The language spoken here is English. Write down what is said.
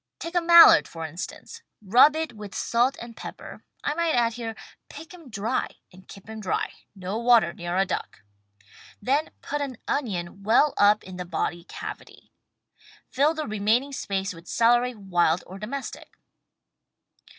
Take a Mallard, for instance. Rub it with salt and pepper (I might add here: pick 'em dry and keep 'em dry — no water near a duck!), then put an onion well up in the body cavity. Fill the remaining space with celery, wild or domestic.